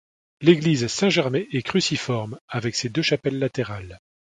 L'église Saint-Germé est cruciforme avec ses deux chapelles latérales.